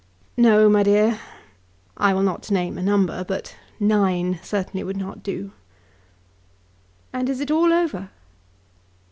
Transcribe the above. "No, my dear. I will not name a number, but nine certainly would not do." "And it is all over?"